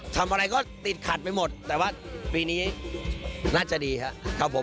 ทำอะไรก็ติดขัดไปหมดแต่ว่าปีนี้น่าจะดีครับผม